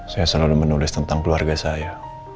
saya selalu menulis tentang keluarga saya